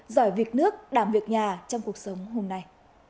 giỏi việc nước đảm việc nhà trong cuộc sống hôm nay